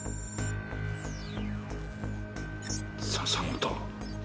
笹本！